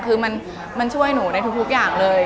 คือมันช่วยหนูได้ทุกอย่างเลย